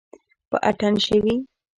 په اتڼ شوي